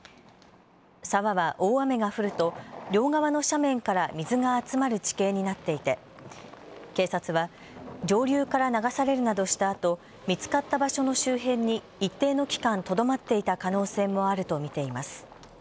沢は大雨が降ると両側の斜面から水が集まる地形になっていて警察は上流から流されるなどしたあと見つかった場所の周辺に一定の期間、とどまっていた可能性もあると見ています。